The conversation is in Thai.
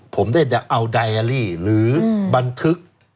ผมได้เอาไดอารี่หรือบันทึก